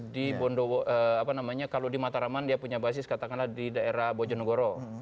di bondo apa namanya kalau di mataraman dia punya basis katakanlah di daerah bojonegoro